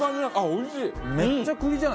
おいしい。